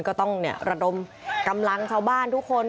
ก็ต้องระดมกำลังชาวบ้านทุกคน